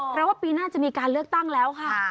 เพราะว่าปีหน้าจะมีการเลือกตั้งแล้วค่ะ